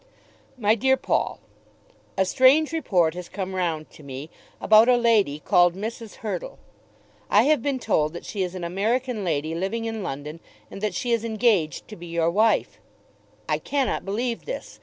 MY DEAR PAUL, A strange report has come round to me about a lady called Mrs. Hurtle. I have been told that she is an American lady living in London, and that she is engaged to be your wife. I cannot believe this.